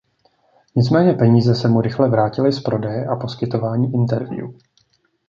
Nicméně peníze se mu rychle vrátily z prodeje a poskytování interview.